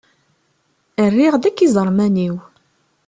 Rriɣ-d akk iẓerman-iw.